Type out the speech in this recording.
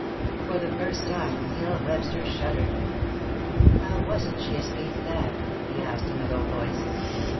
For the first time Neil Webster shuddered. "How was it she escaped that?" he asked, in a low voice.